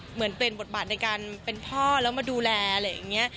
เหมือนเปลี่ยนบทบาทในการเป็นพ่อแล้วมาดูแลอะไรอย่างนี้